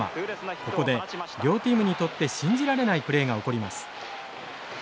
ここで両チームにとって信じられないプレーが起こります。